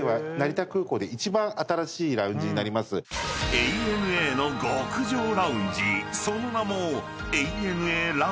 ［ＡＮＡの極上ラウンジその名も］